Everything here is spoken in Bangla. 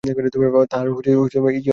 তার ইযিও আর থাকবে না।